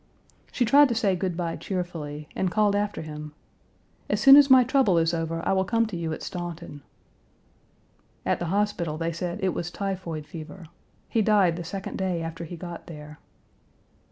She tried to say good by cheerfully, and called after him: "As soon as my trouble is over I will come to you at Staunton." At the hospital they said it was typhoid fever. He died the second day after he got there.